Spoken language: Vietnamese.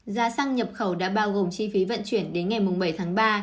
giá xăng nhập khẩu đã bao gồm chi phí vận chuyển đến ngày bảy tháng ba